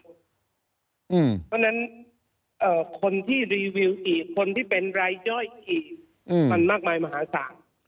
เพราะฉะนั้นคนที่รีวิวอีกคนที่เป็นรายย่อยอีกมันมากมายมหาศาล